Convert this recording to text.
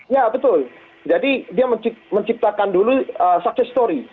ya betul jadi dia menciptakan dulu sukses story